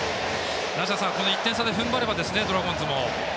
梨田さん、１点差でふんばればドラゴンズも。